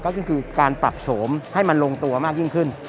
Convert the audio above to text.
ก็คือการปรับโฉมให้มันลงตัวมากยิ่งขึ้น